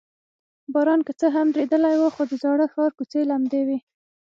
باران که څه هم درېدلی و، خو د زاړه ښار کوڅې لمدې وې.